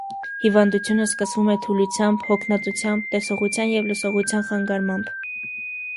Հիվանդությունը սկսվում է թուլությամբ, հոգնածությամբ, տեսողության և լսողության խանգարմամբ։